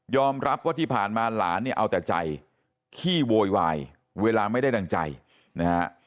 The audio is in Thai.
รับว่าที่ผ่านมาหลานเนี่ยเอาแต่ใจขี้โวยวายเวลาไม่ได้ดั่งใจนะฮะ